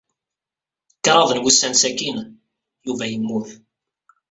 Kṛaḍ n wussan sakin, Yuba yemmut.